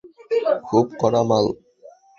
খুব কড়া মাল।